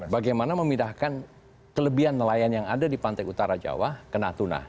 bagaimana memindahkan kelebihan nelayan yang ada di pantai utara jawa ke natuna